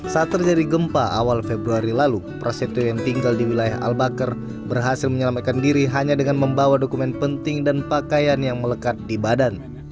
saat terjadi gempa awal februari lalu prasetyo yang tinggal di wilayah al bakar berhasil menyelamatkan diri hanya dengan membawa dokumen penting dan pakaian yang melekat di badan